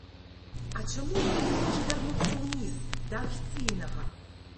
А чаму ён не можа вярнуцца ўніз, да афіцыйнага?